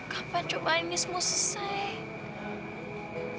kapan cobain ini semua selesai